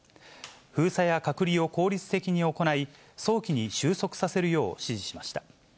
封鎖や隔離を効率的に行い、早期に終息させるよう指示しました。